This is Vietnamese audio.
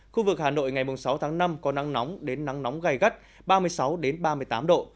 khu vực hà nội ngày sáu tháng năm có nắng nóng đến nắng nóng gai gắt ba mươi sáu ba mươi tám độ